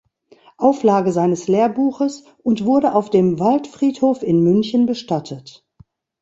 Auflage seines Lehrbuches, und wurde auf dem Waldfriedhof in München bestattet.